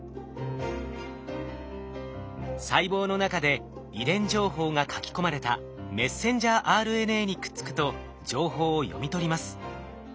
細胞の中で遺伝情報が書き込まれたメッセンジャーＲＮＡにくっつくと情報を読み取ります。